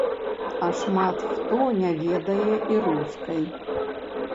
А шмат хто не ведае і рускай.